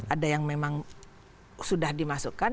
ada yang memang sudah dimasukkan